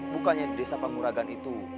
bukannya desa panguragan itu